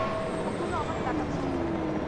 ওগুলো আমার টাকা ছিল।